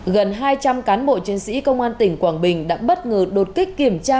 gần hai trăm linh cán bộ chiến sĩ công an tỉnh quảng bình đã bất ngờ đột kích kiểm tra